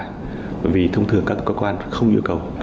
bởi vì thông thường các cơ quan không nhu cầu quý vị làm như vậy